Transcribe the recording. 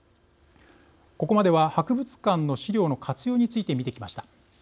ここまでは博物館の資料の活用について見てきました。